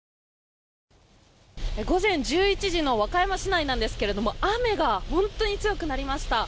午前１１時の和歌山市内なんですけれども雨が本当に強くなりました。